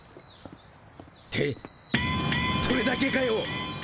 てそれだけかよ。